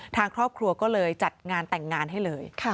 ทางครอบครัวก็เลยจัดงานแต่งงานให้เลย